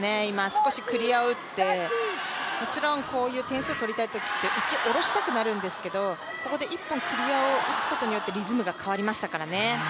少しクリアを打ってもちろんこういう点数取りたいときって打ち下ろしたくなるんですけどここで１本クリアを打つことによってリズムが変わりましたからね。